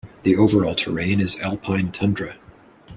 The overall terrain is alpine tundra.